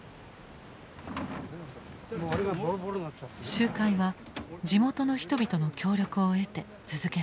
集会は地元の人々の協力を得て続けられてきた。